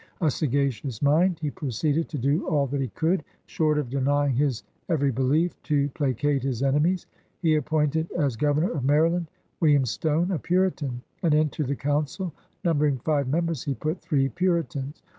A sagacious mind, he proceeded to do all that he could, short of denying his every behef, to pla cate his enemies. He appointed as Governor of ^Maryland William Stone, a Puritan, and into the Council, numbering five members, he put three Puritans.